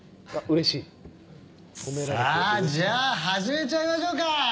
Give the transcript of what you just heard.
さあ、じゃあ始めちゃいましょうか！